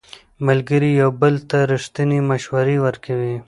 ملګري یو بل ته ریښتینې مشورې ورکوي